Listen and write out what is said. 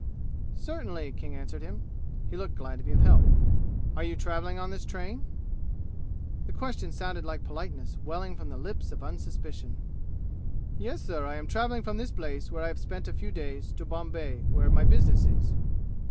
"Certainly," King answered him. He looked glad to be of help. "Are you traveling on this train?" The question sounded like politeness welling from the lips of unsuspicion. "Yes, sir. I am traveling from this place where I have spent a few days, to Bombay, where my business is.